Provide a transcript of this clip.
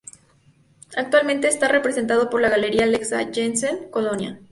Actualmente está representado por la Galería Alexa Jansen, Colonia.